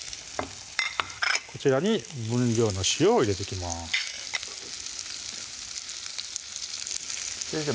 こちらに分量の塩を入れていきます先生